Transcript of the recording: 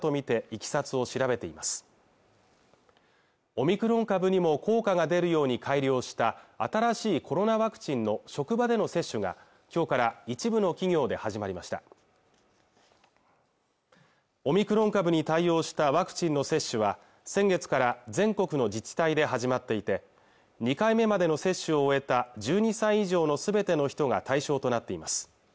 オミクロン株にも効果が出るように改良した新しいコロナワクチンの職場での接種がきょうから一部の企業で始まりましたオミクロン株に対応したワクチンの接種は先月から全国の自治体で始まっていて２回目までの接種を終えた１２歳以上の全ての人が対象となっています